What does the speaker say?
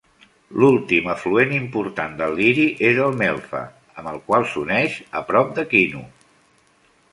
L'últim afluent important del Liri és el Melfa, amb el qual s'uneix a prop d'Aquino.